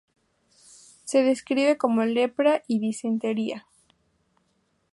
Se describe como lepra y disentería.